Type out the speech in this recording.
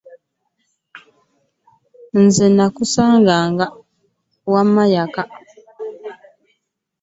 Nze nakusanganga wammwe yokka.